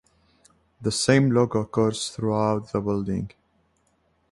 The same logo occurs throughout the building.